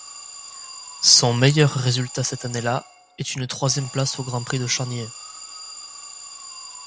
Son meilleur résultat cette année-là est une troisième place au Grand Prix de Champniers.